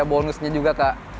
ada bonusnya juga kak